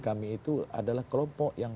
kami itu adalah kelompok yang